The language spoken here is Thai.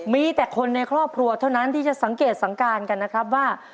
มีแต่คนในครอบครัวเท่านั้นที่จะสังเกตสังการกันนะครับว่า